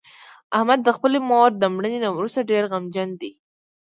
احمد د خپلې مور د مړینې نه ورسته ډېر غمجن دی.